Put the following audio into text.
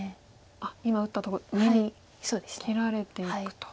今打ったとこに切られていくと。